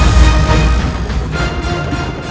sampai jumpa lagi